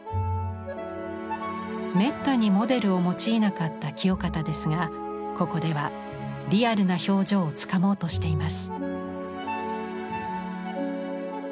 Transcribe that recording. めったにモデルを用いなかった清方ですがここではリアルな表情をつかもうとしています。